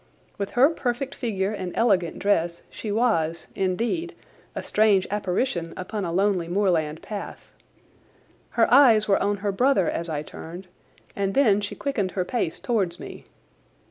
With her perfect figure and elegant dress she was, indeed, a strange apparition upon a lonely moorland path. Her eyes were on her brother as I turned, and then she quickened her pace towards me.